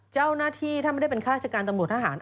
เจ้าหน้าที่ถ้าไม่ได้เป็นข้าราชการตำรวจทหาร